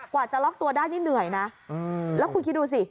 กว่าจะล็อกตัวได้นี่เหนื่อยนะแล้วคุณคิดดูสิ